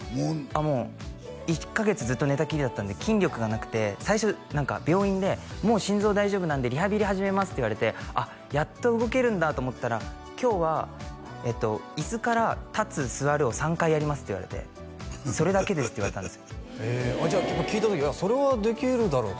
あっもう１カ月ずっと寝たきりだったんで筋力がなくて最初何か病院で「もう心臓大丈夫なんでリハビリ始めます」って言われてあっやっと動けるんだと思ったら「今日は椅子から立つ座るを３回やります」って言われて「それだけです」って言われたんですよへえじゃあ聞いた時いやそれはできるだろうと？